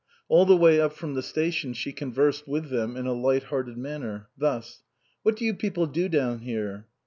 All the way up from the station she con versed with them in a light hearted manner. Thus :" What do you people do down here